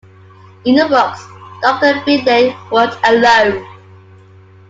In the books, Doctor Finlay worked alone.